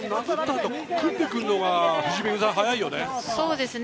あと組んでくるのが藤井さん、早いよね。